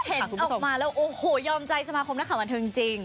เห็นออกมาแล้วโอ้โหยอมใจชมหาคมนะคะมันเฮิงจริง